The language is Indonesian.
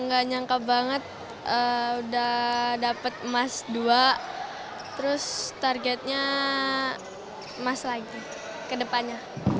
nggak nyangka banget udah dapet emas dua terus targetnya emas lagi ke depannya